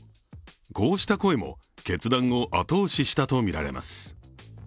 こうした声も決断を後押ししたとみられます。